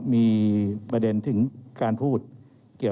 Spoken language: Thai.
เรามีการปิดบันทึกจับกลุ่มเขาหรือหลังเกิดเหตุแล้วเนี่ย